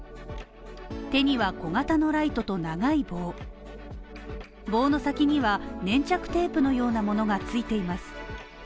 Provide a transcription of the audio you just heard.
手には小型のライトと長い棒棒の先には粘着テープのようなものが付いています。